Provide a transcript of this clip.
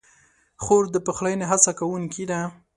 خور د پخلاینې هڅه کوونکې ده.